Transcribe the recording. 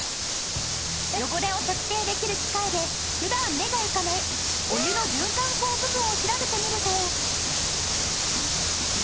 汚れを測定できる機械で普段目がいかないお湯の循環口部分を調べてみると。